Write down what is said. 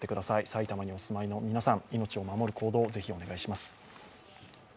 埼玉にお住まいの皆さん、命を守る行動をお願いします。